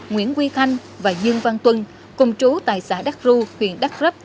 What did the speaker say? nguyễn quy thanh và dương văn tuân cùng chú tài xã đắk ru huyện đắk lớp